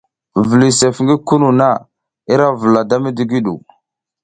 Viliy sef ngi kunu na, ira vula da midigwu ɗu.